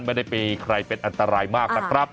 ไม่ได้มีใครเป็นอันตรายมากนะครับ